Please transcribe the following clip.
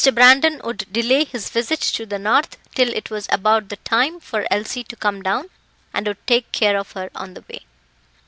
Brandon would delay his visit to the north till it was about the time for Elsie to come down, and would take care of her on the way.